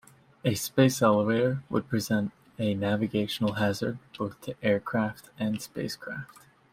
A space elevator would present a navigational hazard, both to aircraft and spacecraft.